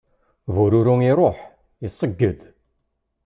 Bururu iruḥ, iṣegged.